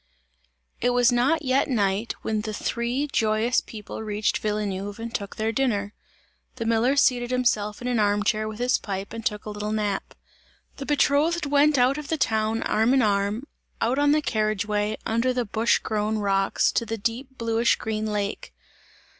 It was not yet night, when the three joyous people reached Villeneuve and took their dinner. The miller seated himself in an arm chair with his pipe and took a little nap. The betrothed went out of the town arm in arm, out on the carriage way, under the bush grown rocks, to the deep bluish green lake.